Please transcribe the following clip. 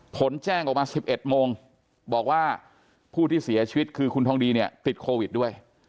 ผลแจ้งออกมา๑๑โมงบอกว่าผู้ที่เสียชีวิตคือคุณทองดีเนี่ยติดโควิดด้วย